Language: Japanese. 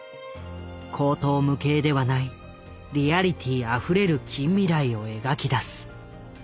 荒唐無稽ではないリアリティーあふれる近未来を描きだす。